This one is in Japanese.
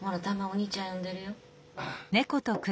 お兄ちゃん呼んでるよ。